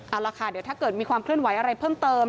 เอาล่ะค่ะเดี๋ยวถ้าเกิดมีความเคลื่อนไหวอะไรเพิ่มเติม